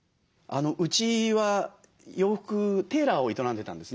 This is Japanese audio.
うちは洋服テーラーを営んでたんですね。